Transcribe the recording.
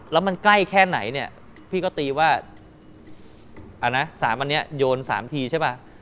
แล้วมันใกล้แค่ไหนเนี่ยพี่ก็ตีว่า๓อันนี้โยน๓ทีใช่ป่ะ